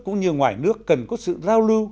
cũng như ngoài nước cần có sự giao lưu